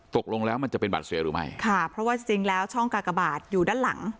ตกลงแล้วมันจะเป็นบัตรเสียหรือไม่ค่ะเพราะว่าจริงแล้วช่องกากบาทอยู่ด้านหลัง